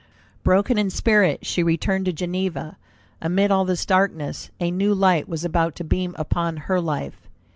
Broken in spirit, she returned to Geneva. Amid all this darkness a new light was about to beam upon her life.